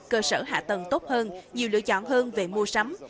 cơ sở hạ tầng tốt hơn nhiều lựa chọn hơn về mua sắm